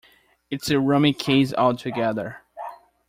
It's a rummy case altogether.